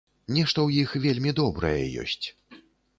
Нешта ў іх вельмі добрае ёсць.